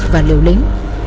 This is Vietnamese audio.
và liều lính